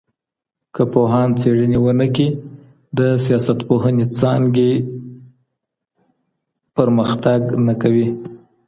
که پوهان څېړني ونکړي د سياستپوهني څانګي نه پرمختګ کوي.